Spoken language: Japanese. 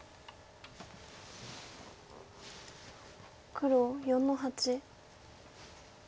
黒４の八。